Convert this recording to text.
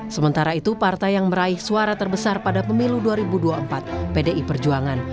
sementara itu partai yang meraih suara terbesar pada pemilu dua ribu dua puluh empat pdi perjuangan